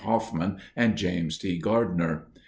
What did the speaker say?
Hoffmann, and James T. Gardiner.